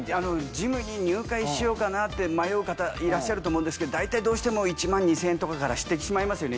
ジムに入会しようかなって迷う方いらっしゃると思うんですけど大体どうしても１万２０００円とかしてしまいますよね？